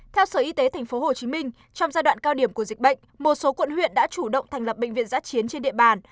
theo sở y tế tp hcm trong giai đoạn cao điểm của dịch bệnh một số quận huyện đã chủ động thành lập bệnh viện giã chiến trên địa bàn